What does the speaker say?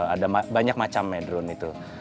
ada banyak macamnya drone itu